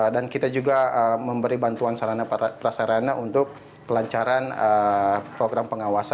dan kita juga memberi bantuan sarana prasarana untuk pelancaran program pengelolaan